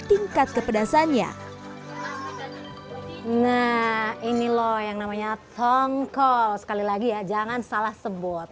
tingkat kepedasannya nah ini loh yang namanya tongkol sekali lagi ya jangan salah sebut